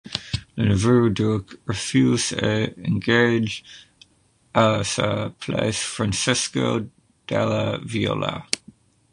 Le nouveau duc refuse et engage à sa place Francesco dalla Viola.